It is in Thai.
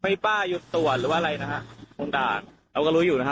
ไม่ป้ายุดต่วนหรือว่าอะไรนะฮะคุณต่างเราก็รู้อยู่นะฮะ